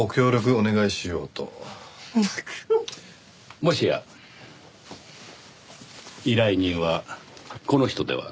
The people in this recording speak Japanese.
もしや依頼人はこの人では？